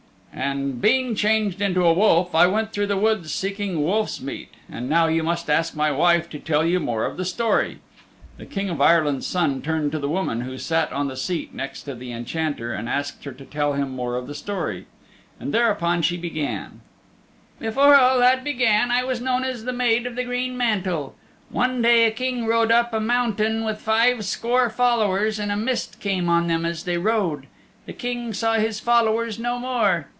"And being changed into a wolf, I went through the woods seeking wolf's meat. And now you must ask my wife to tell you more of the story." The King of Ireland's Son turned to the woman who sat on the seat next the Enchanter, and asked her to tell him more of the story. And thereupon she began Before all that happened I was known as the Maid of the Green Mantle. One day a King rode up a mountain with five score followers and a mist came on them as they rode. The King saw his followers no more.